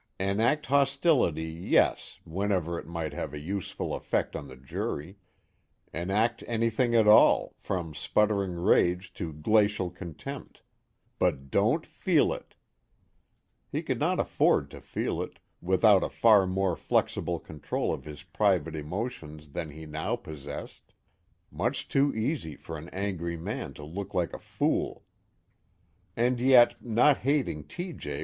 Enact hostility, yes, whenever it might have a useful effect on the jury enact anything at all, from sputtering rage to glacial contempt but don't feel it! He could not afford to feel it, without a far more flexible control of his private emotions than he now possessed: much too easy for an angry man to look like a fool. And yet not hating T. J.